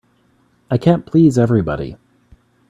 I can't please everybody.